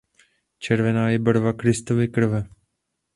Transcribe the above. Červená je barva Kristovy krve.